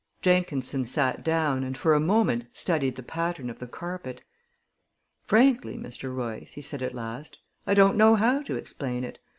Jenkinson sat down, and for a moment studied the pattern of the carpet. "Frankly, Mr. Royce," he said at last, "I don't know how to explain it.